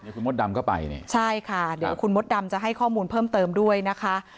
คุณมดดำก็ไปเนี่ยใช่ค่ะเดี๋ยวคุณมดดำจะให้ข้อมูลเพิ่มเติมด้วยนะคะ